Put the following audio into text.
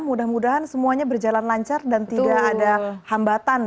mudah mudahan semuanya berjalan lancar dan tidak ada hambatan